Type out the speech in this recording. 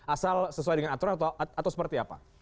asal sesuai dengan aturan atau seperti apa